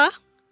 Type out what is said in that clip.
hah apa berarti